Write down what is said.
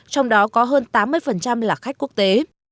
trong đó có hơn tám mươi là khách quốc tế